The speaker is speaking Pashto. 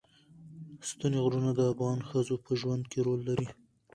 ستوني غرونه د افغان ښځو په ژوند کې رول لري.